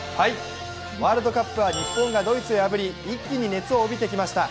ワールドカップは日本がドイツを破り一気に熱を帯びてきました。